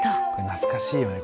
懐かしいよね